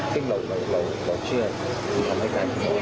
เต้นเราเชื่อทำให้กัน